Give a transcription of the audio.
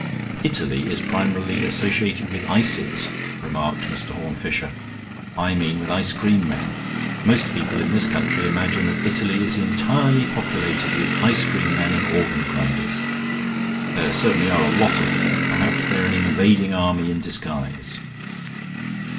"Italy is primarily associated with ices," remarked Mr. Horne Fisher. "I mean with ice cream men. Most people in this country imagine that Italy is entirely populated with ice cream men and organ grinders. There certainly are a lot of them; perhaps they're an invading army in disguise."